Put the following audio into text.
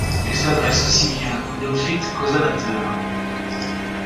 Il s'adresse aussi bien aux néophytes qu'aux amateurs.